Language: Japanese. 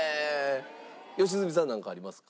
良純さんなんかありますか？